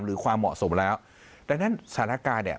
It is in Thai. ความเหมาะสมแล้วดังนั้นสถานการณ์เนี่ย